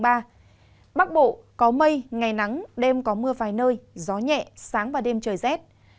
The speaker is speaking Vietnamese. bắc bộ có mây ngày nắng đêm có mưa vài nơi gió nhẹ sáng và đêm trời rét